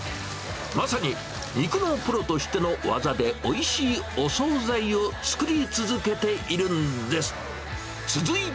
まさに肉のプロとしての技で、おいしいお総菜を作り続けているんです。